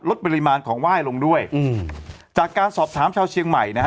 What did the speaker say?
ปริมาณของไหว้ลงด้วยอืมจากการสอบถามชาวเชียงใหม่นะฮะ